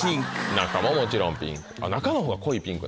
中ももちろんピンク。